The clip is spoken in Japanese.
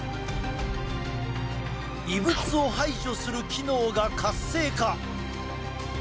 異物を排除する機能が活性化！